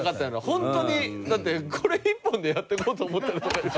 ホントにだってこれ一本でやっていこうと思ってる。